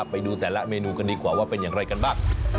ไปดูแต่ละเมนูกันดีกว่าว่าเป็นอย่างไรกันบ้าง